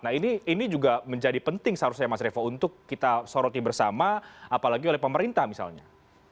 nah ini juga menjadi penting seharusnya mas revo untuk kita soroti bersama apalagi oleh pemerintah misalnya